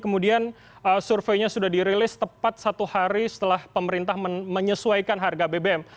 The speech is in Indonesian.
kemudian surveinya sudah dirilis tepat satu hari setelah pemerintah menyesuaikan harga bbm